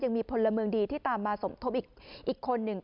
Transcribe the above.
ยังมีพลเมืองดีที่ตามมาสมทบอีกคนหนึ่ง